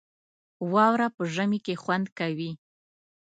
واوره په ژمي کې خوند کوي